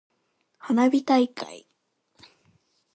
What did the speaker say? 花火大会。